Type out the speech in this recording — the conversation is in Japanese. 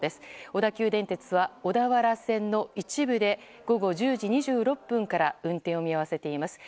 小田急電鉄は小田原線の一部で午後１０時２６分から運転を見合わせています。